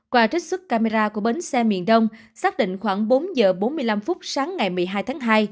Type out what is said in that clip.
qua trích xuất camera của bến xe miền đông xác định khoảng bốn giờ bốn mươi năm phút sáng ngày một mươi hai tháng hai